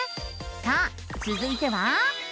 さあつづいては。